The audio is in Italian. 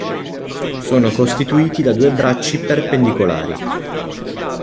Sono costituiti da due bracci perpendicolari.